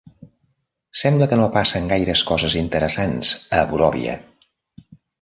Sembla que no passen gaires coses interessants a Boròvia.